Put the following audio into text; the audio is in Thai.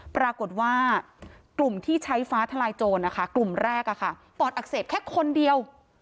ปรากฏว่ากลุ่มที่ใช้ฟ้าทลายโจรกลุ่มแรกปอดอักเสบแค่คนเดียว